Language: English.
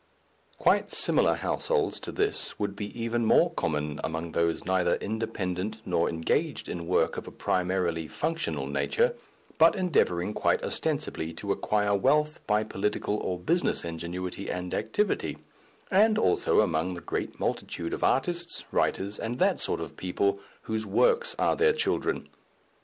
Quite similar households to this would be even more common among those neither independent nor engaged in work of a primarily functional nature, but endeavouring quite ostensibly to acquire wealth by political or business ingenuity and activity, and also among the great multitude of artists, writers, and that sort of people, whose works are their children.